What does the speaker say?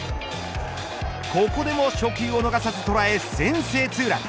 ここでも初球を逃さず捉え先制ツーラン。